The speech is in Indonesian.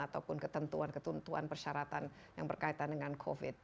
ataupun ketentuan ketentuan persyaratan yang berkaitan dengan covid